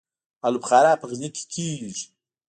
الو بخارا په غزني کې کیږي